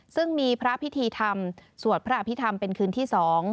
ซึ่งมีพระพิธีธรรมสวดพระอภิษฐรรมเป็นคืนที่๒